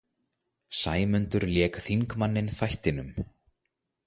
Sæmundur lék þingmanninn þættinum.